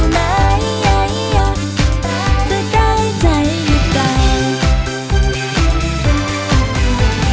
ไม่รู้ไหนยักษ์จะได้ใจหยุดไป